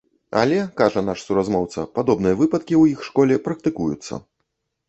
Але, кажа наш суразмоўца, падобныя выпадкі ў іх школе практыкуюцца.